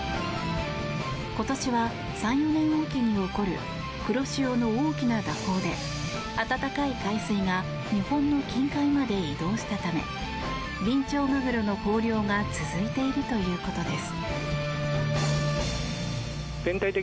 今年は３４年おきに起こる黒潮の大きな蛇行で暖かい海水が日本の近海まで移動したためビンチョウマグロの豊漁が続いているということです。